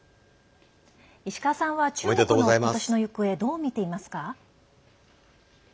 石川さんは中国の今年の行方どう見ていますか？